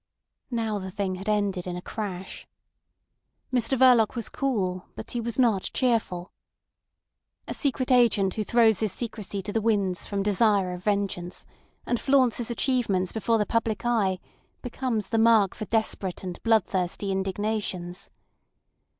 Now the thing had ended in a crash. Mr Verloc was cool; but he was not cheerful. A secret agent who throws his secrecy to the winds from desire of vengeance, and flaunts his achievements before the public eye, becomes the mark for desperate and bloodthirsty indignations.